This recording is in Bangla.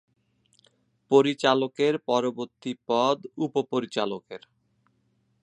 পরিচালকের পরবর্তী পদ উপ-পরিচালকের।